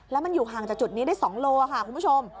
แล้วมันอยู่ห่างจากจุดนี้ได้๒โลค่ะคุณผู้ชม